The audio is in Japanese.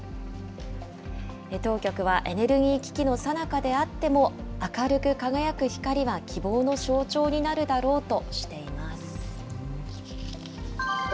当局は、エネルギー危機のさなかであっても、明るく輝く光は希望の象徴になるだろうとしています。